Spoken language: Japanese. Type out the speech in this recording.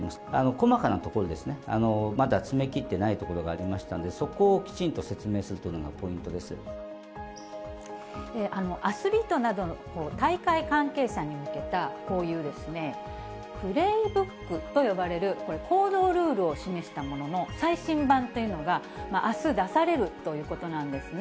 細かなところですね、まだ詰め切ってないところがありましたので、そこをきちんと説明アスリートなど、大会関係者に向けた、こういうプレイブックと呼ばれる、これ、行動ルールを示したものの最新版というのが、あす出されるということなんですね。